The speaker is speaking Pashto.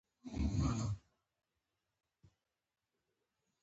غالۍ باید له ډېرې لمدې وساتل شي.